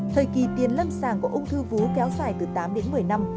thời kỳ tiền lâm sàng của ung thư vú kéo dài từ tám đến một mươi năm